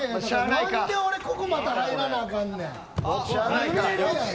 なんで俺ここ入らなあかんねん。